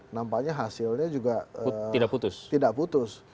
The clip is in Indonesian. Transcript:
nampaknya hasilnya juga tidak putus